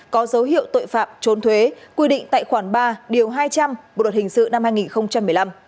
có dấu hiệu tội phạm trốn thuế quy định tại khoản ba điều hai trăm linh bộ luật hình sự năm hai nghìn một mươi năm